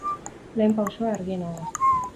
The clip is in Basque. Lehen pausoa argiena da.